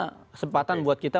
kesempatan buat kita